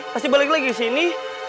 pasti balik lagi disini